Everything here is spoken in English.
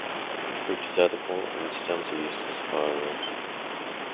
The fruit is edible and the stems are used as firewood.